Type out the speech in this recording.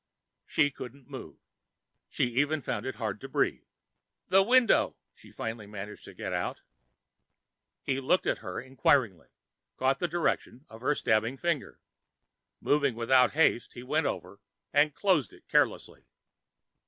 She couldn't move. She even found it hard to breathe. "The window," she finally managed to get out. He looked at her inquiringly, caught the direction of her stabbing finger. Moving without haste, he went over and closed it carelessly.